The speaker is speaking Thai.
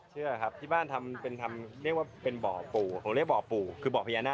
เลยครับที่บ้านเป็นของพี่บ่าปู่